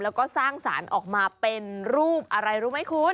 แล้วก็สร้างสารออกมาเป็นรูปอะไรรู้ไหมคุณ